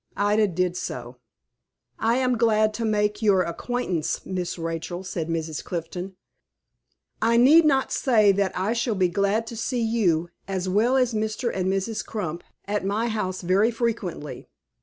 Ida did so. "I am glad to make your acquaintance, Miss Rachel," said Mrs. Clifton. "I need not say that I shall be glad to see you, as well as Mr. and Mrs. Crump, at my house very frequently."